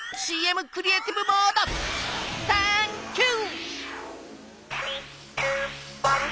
ＣＭクリエイティブモード！タンキュー！